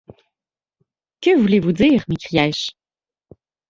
Que voulez-vous dire ? m’écriai-je.